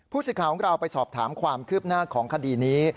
สิทธิ์ของเราไปสอบถามความคืบหน้าของคดีนี้